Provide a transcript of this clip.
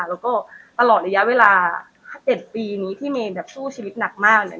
แล้วก็ตลอดระยะเวลา๕๗ปีนี้ที่เมย์แบบสู้ชีวิตหนักมากเนี่ย